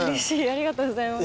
ありがとうございます。